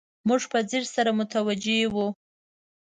موږ به په ځیر سره متوجه وو.